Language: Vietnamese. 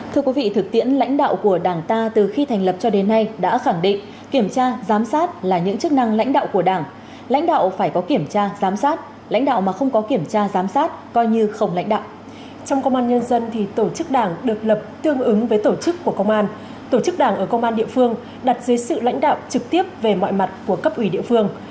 thưa quý vị thực tiễn lãnh đạo của đảng ta từ khi thành lập cho đến nay đã khẳng định kiểm tra giám sát là những chức năng lãnh đạo của đảng lãnh đạo phải có kiểm tra giám sát lãnh đạo mà không có kiểm tra giám sát coi như không lãnh đạo